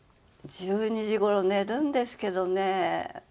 １２時頃寝るんですけどね